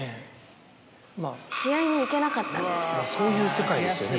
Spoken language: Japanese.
まぁそういう世界ですよね